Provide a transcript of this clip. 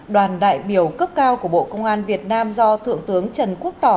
đoàn đại biểu cấp cao của bộ công an việt nam do thượng tướng trần quốc tỏ